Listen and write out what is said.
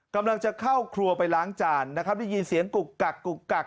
กำลังจะเข้าครัวไปล้างจานนะครับได้ยินเสียงกุกกักกุกกัก